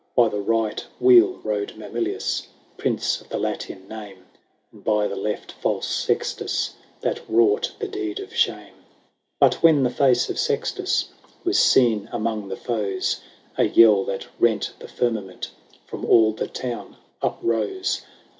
By the right wheel rode Mamilius, Prince of the Latian name ; And by the left false Sextus, That wrought the deed of shame. XXV. But when the face of Sextus Was seen among the foes, A yell that rent the firmament From all the town arose.